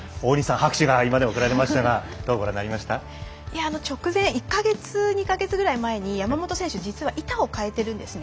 拍手が贈られましたが直前１か月、２か月前ぐらいに山本選手実は板を変えているんですね。